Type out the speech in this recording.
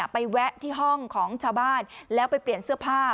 แวะที่ห้องของชาวบ้านแล้วไปเปลี่ยนเสื้อผ้า